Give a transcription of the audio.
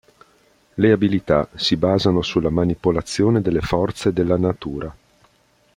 Le abilità si basano sulla manipolazione delle forze della natura.